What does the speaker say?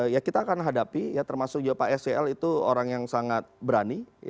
ya kita akan hadapi ya termasuk juga pak sel itu orang yang sangat berani